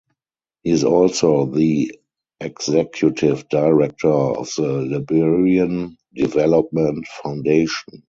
He is also the Executive Director of the Liberian Development Foundation.